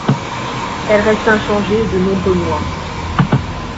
Elle reste inchangée de nombreux mois.